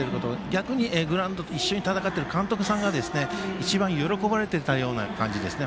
逆に、グラウンドで一緒に戦っている監督さんが一番喜ばれていたような感じですね。